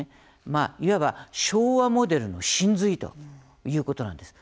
まあ、いわば昭和モデルの神髄ということなんです。